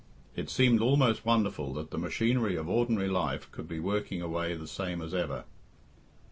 It seemed almost wonderful that the machinery of ordinary life could be working away the same as ever.